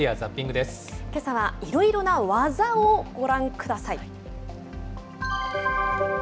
けさはいろいろな技をご覧ください。